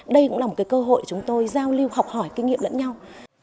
đây cũng là một cơ hội chúng tôi giao lưu học hỏi kinh nghiệm lẫn nhau